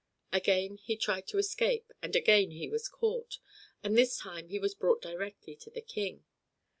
Again he tried to escape, and again he was caught, and this time he was brought directly to the King.